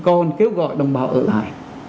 còn kêu gọi đồng bào ở lại